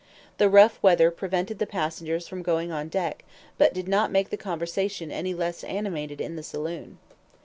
The rough weather prevented the passengers from going on deck, but did not make the conversation any less animated in the saloon.